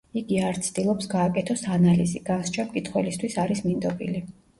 იგი არ ცდილობს გააკეთოს ანალიზი, განსჯა მკითხველისთვის არის მინდობილი.